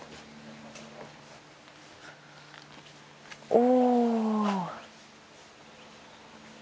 お。